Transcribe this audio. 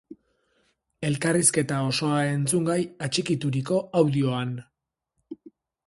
Elkarrizketa osoa entzungai atxikituriko audioan!